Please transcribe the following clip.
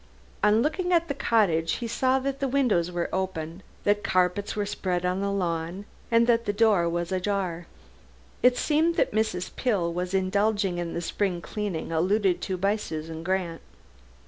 On looking at the cottage he saw that the windows were open, that carpets were spread on the lawn, and that the door was ajar. It seemed that Mrs. Pill was indulging in the spring cleaning alluded to by Susan Grant.